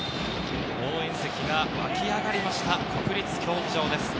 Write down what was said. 応援席が沸き上がりました、国立競技場です。